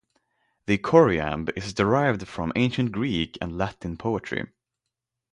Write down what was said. The choriamb is derived from some ancient Greek and Latin poetry.